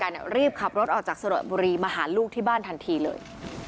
เริ่มรู้แข่งการรีบขับรถออกจากสะดวกบุรีมาหาลูกที่บ้านทันทีเลย